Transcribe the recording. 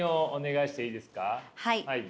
はい。